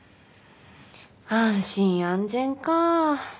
安心安全か。